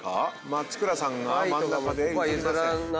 松倉さんが真ん中で譲りません。